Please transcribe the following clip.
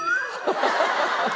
ハハハハ。